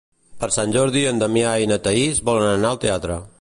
Per Sant Jordi en Damià i na Thaís volen anar al teatre.